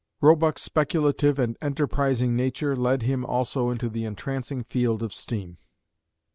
Roebuck's speculative and enterprising nature led him also into the entrancing field of steam.